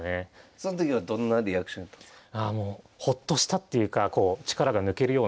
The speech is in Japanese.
その時はどんなリアクションやったんすか？